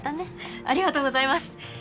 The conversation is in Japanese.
ありがとうございます。